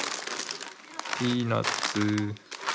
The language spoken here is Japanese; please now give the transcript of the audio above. ピーナツ。